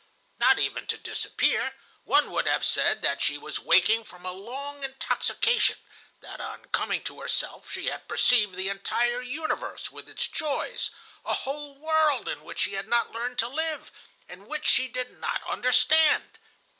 Not even to disappear. One would have said that she was waking from a long intoxication, that on coming to herself she had perceived the entire universe with its joys, a whole world in which she had not learned to live, and which she did not understand.